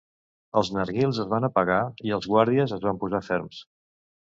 Els narguils es van apagar i els guàrdies es van posar ferms.